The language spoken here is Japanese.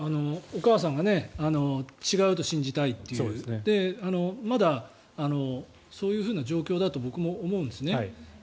お母さんが違うと信じたいというまだ、そういう状況だと僕も思うんですね。